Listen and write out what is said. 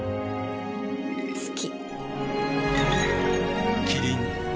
好き。